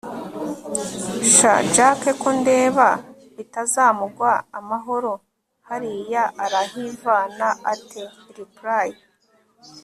sha jack kondeba bitazamugwa amahoro!hariya arahivana ate?reply